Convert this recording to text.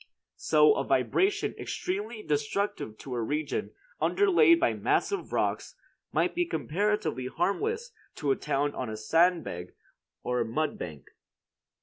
So a vibration extremely destructive to a region underlaid by massive rocks might be comparatively harmless to a town on a sand bed or mud bank.